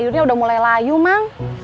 tidurnya udah mulai layu mang